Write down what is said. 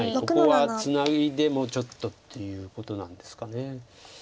ここはツナいでもちょっとっていうことなんですか。